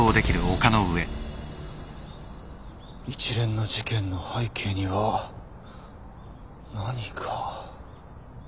一連の事件の背景には何が？